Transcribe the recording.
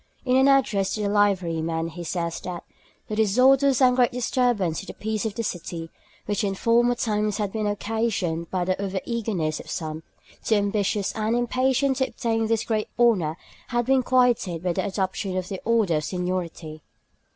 In an address to the Liverymen he says that 'the disorders and great disturbance to the peace of the city, which in former times had been occasioned by the over eagerness of some, too ambitious and impatient to obtain this great honour, had been quieted' by the adoption of the order of seniority.